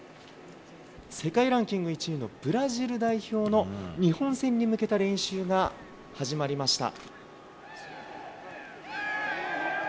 世界ランキング１位のブラジル代表の日本戦に向けた練習が始まりました。